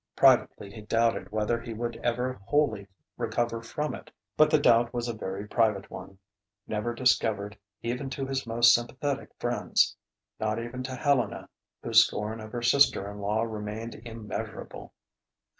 Privately he doubted whether he would ever wholly recover from it; but the doubt was a very private one, never discovered even to his most sympathetic friends, not even to Helena, whose scorn of her sister in law remained immeasurable.